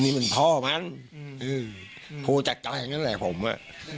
นี่มันพ่อมันอืมผู้จัดการอย่างนั้นแหละผมอ่ะ